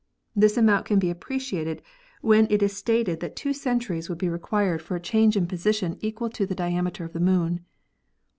This amount can be appreciated when it is stated that two cen 2 70 MOTIONS OF THE STARS 271 turies would be required for a change in position equal to the diameter of the Moon.